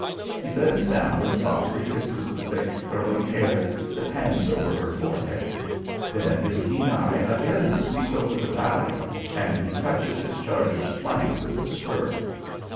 He bends down and softly kisses the thick, curling hair that hangs over her forehead. Then his keen eye again sweeps over the valley, and he touches his charger's flank with the spur.